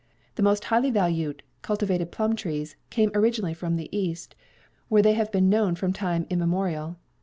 The most highly valued cultivated plum trees came originally from the East, where they have been known from time immemorial.